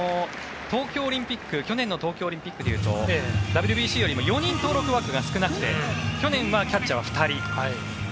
去年の東京オリンピックでいうとＷＢＣよりも４人登録枠が少なくて去年はキャッチャーは２人。